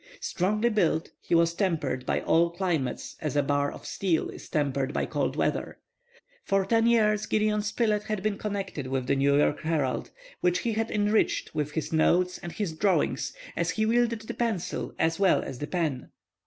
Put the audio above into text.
Strongly built, he was tempered by all climates as a bar of steel is tempered by cold water. For ten years Gideon Spilett had been connected with the New York Herald, which he had enriched with his notes and his drawings, as he wielded the pencil as well as the pen.